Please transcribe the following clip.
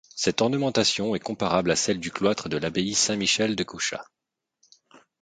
Cette ornementation est comparable à celle du cloître de l'abbaye Saint-Michel de Cuxa.